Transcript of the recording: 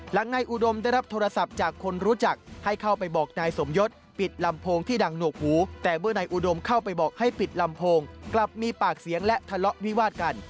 หลังนายอุดมได้รับโทรศัพท์จากคนรู้จักให้เข้าไปบอกนายสมยศปิดลำโพงที่ดังหนวกหูแต่เมื่อนายอุดมเข้าไปบอกให้ปิดลำโพงกลับมีปากเสียงและทะเลาะวิวาดกัน